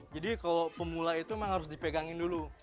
jadi kalau pemula itu memang harus dipegangin dulu